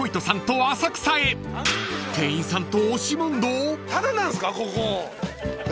［店員さんと］